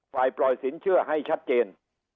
ปล่อยสินเชื่อให้ชัดเจน